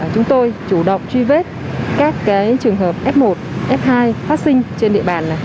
chúng tôi chủ động truy vết các trường hợp f một f hai phát sinh trên địa bàn